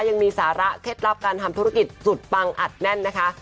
ยังมีสาระเคล็ดลับการทำธุรกิจสุดปังอัดแน่นนะคะ